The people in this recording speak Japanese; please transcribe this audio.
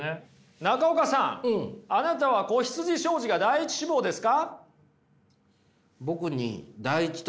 中岡さんあなたは子羊商事が第１志望ですか？